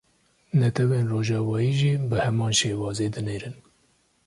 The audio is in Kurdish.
Netewên rojavayî jî bi heman şêwazê dinêrin